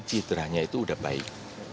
jidrahnya itu udah baik